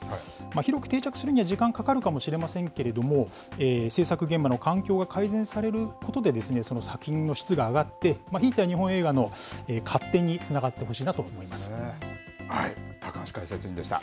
広く定着するには時間がかかるかもしれませんけれども、制作現場の環境が改善されることで、その作品の質が上がって、いい日本映画の発展につながっていってほし高橋解説委員でした。